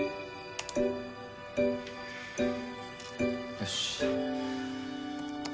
よし。